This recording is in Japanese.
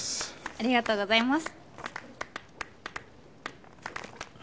ありがとうございます。